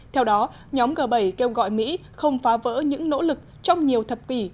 theo đó nhóm g bảy kêu gọi mỹ không phá vỡ những nỗ lực trong nhiều thập kỷ